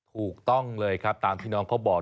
ถูกต้องเลยครับตามที่น้องเขาบอก